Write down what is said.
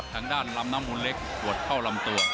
ทางด้านลำน้ำมูลเล็กปวดเข้าลำตัว